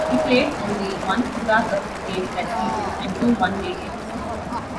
He played only one Pura Cup game that season and two one-day games.